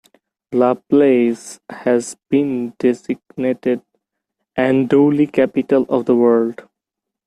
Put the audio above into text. LaPlace has been designated Andouille Capital of the World.